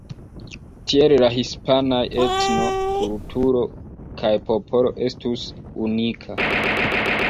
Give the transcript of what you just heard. Tiele la hispanaj etno, kulturo kaj popolo estus unika.